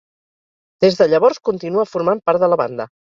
Des de llavors continua formant part de la banda.